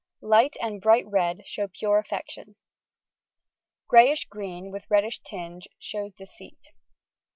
LiOHT and Bbioht Red show pure aflfection. Qbeyish Green, with reddish tinge, shows deceit.